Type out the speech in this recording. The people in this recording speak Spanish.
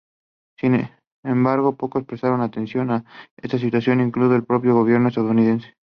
Sin embargo, pocos prestaron atención a esta situación, incluido el propio gobierno estadounidense.